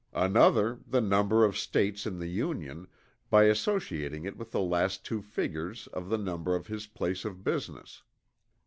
Another, the number of States in the Union, by associating it with the last two figures of the number of his place of business.